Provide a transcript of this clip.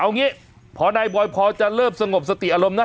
อย่างนี้พ่อนายบอยพ่อจะเวลาเสียสงบสติอารมณ์นะ